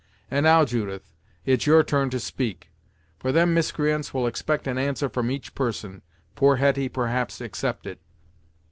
And now, Judith, it's your turn to speak, for them miscreants will expect an answer from each person, poor Hetty, perhaps, excepted."